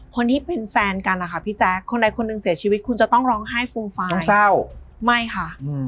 คนที่เป็นแฟนกันนะคะพี่แจ๊คคนใดคนหนึ่งเสียชีวิตคุณจะต้องร้องไห้ฟูมฟางเศร้าไม่ค่ะ